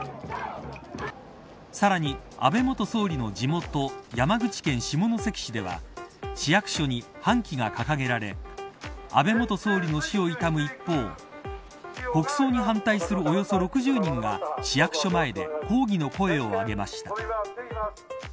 さらに、安倍元総理の地元山口県下関市では市役所に半旗が掲げられ安倍元総理の死を悼む一方国葬に反対するおよそ６０人が市役所前で抗議の声を上げました。